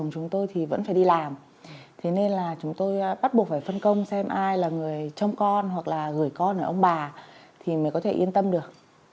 chúng tôi thì vẫn phải đi làm thế nên là chúng tôi bắt buộc phải phân công xem ai là người trông con hoặc là gửi con ở ông bà thì mới có thể yên tâm được